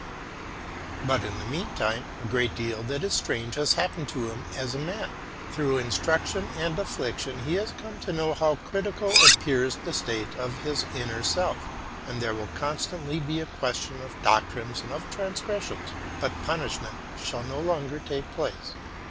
But, in the mean time, a great deal that is strange has happened to him as a man: through instruction and affliction he has come to know how critical appears the state of his inner self, and there will constantly be a question of doctrines and of transgressions ; but punishment shall no longer take place.